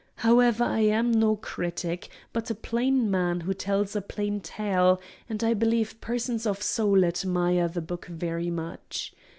However, I am no critic, but a plain man who tells a plain tale, and I believe persons of soul admire the book very much.